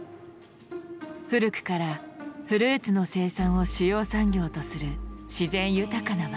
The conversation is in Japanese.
古くからフルーツの生産を主要産業とする自然豊かな町。